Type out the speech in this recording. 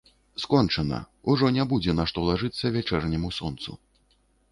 Скончана, ужо не будзе на што лажыцца вячэрняму сонцу.